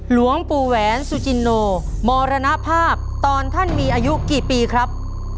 หลวงปู่แหวนสุจินโนมรณภาพตอนท่านมีอายุกี่ปีครับ